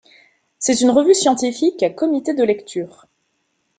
C'est une revue scientifique à comité de lecture.